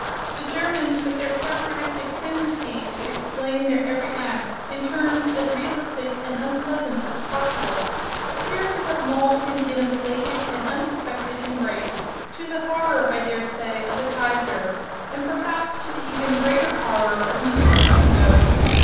The Germans, with their characteristic tendency to ex plain their every act in terms as realistic and unpleasant as possible, appear to have mauled him in a belated and unexpected embrace, to the horror, I daresay, of the Kaiser, and perhaps to the even greater horror of Nietzsche's own ghost.